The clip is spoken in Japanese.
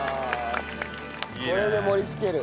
これで盛りつける。